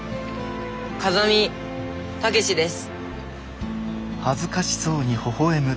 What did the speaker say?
風見武志です。